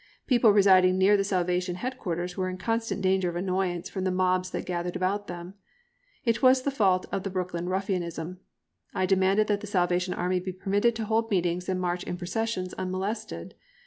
People residing near the Salvation headquarters were in constant danger of annoyance from the mobs that gathered about them. It was the fault of the Brooklyn ruffianism. I demanded that the Salvation Army be permitted to hold meetings and march in processions unmolested.